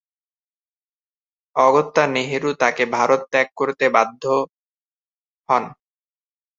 অগত্যা নেহেরু তাকে ভারত ত্যাগ করতে বলতে বাধ্য হন।